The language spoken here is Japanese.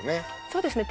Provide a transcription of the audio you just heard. そうですね